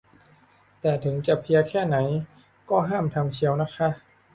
แต่ถึงจะเพลียแค่ไหนก็ห้ามทำเชียวนะคะ